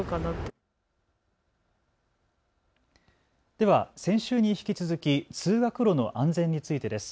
では先週に引き続き通学路の安全についてです。